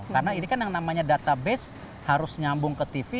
karena ini kan yang namanya database harus nyambung ke tv